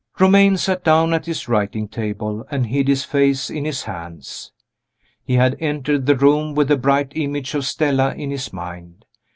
Romayne sat down at his writing table, and hid his face in his hands. He had entered the room with the bright image of Stella in his mind.